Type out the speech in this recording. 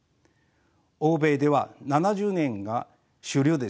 欧米では７０年が主流です。